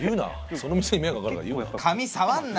その店に迷惑掛かるから言うな。